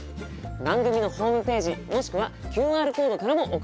番組のホームページもしくはＱＲコードからも送っていただけます。